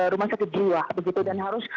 rumah satu jiwa dan harus